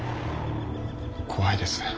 怖いです。